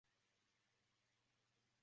这都造成公益西桥交通严重拥堵。